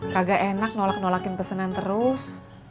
kagak enak nolak nolakin pesanan terus